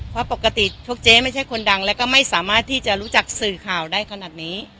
เพราะปกติพวกเจ๊ไม่ใช่คนดังแล้วก็ไม่สามารถที่จะรู้จักสื่อข่าวได้ขนาดนี้